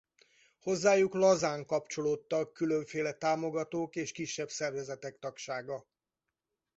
Hozzájuk lazán kapcsolódtak különféle támogatók és kisebb szervezetek tagsága.